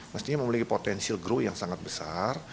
mestinya memiliki potensi growth yang sangat besar